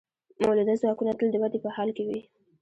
مؤلده ځواکونه تل د ودې په حال کې وي.